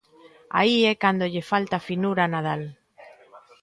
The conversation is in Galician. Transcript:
Aí é cando lle falta finura a Nadal.